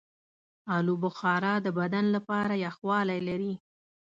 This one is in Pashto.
آلوبخارا د بدن لپاره یخوالی لري.